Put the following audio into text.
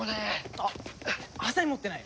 あっはさみ持ってない？